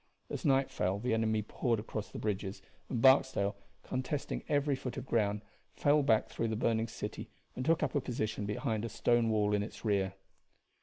As night fell the enemy poured across the bridges, and Barksdale, contesting every foot of ground, fell back through the burning city and took up a position behind a stone wall in its rear.